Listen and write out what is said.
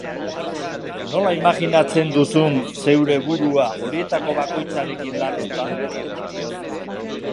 Nola imajinatzen duzun zeure burua horietako bakoitzarekin larrutan?